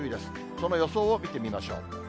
その予想を見てみましょう。